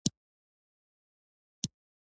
انګور د افغانستان د زرغونتیا یوه روښانه نښه ده.